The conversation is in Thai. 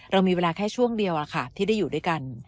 เรามีเวลาแค่ช่วงเดียวที่ได้อยู่ด้วยกัน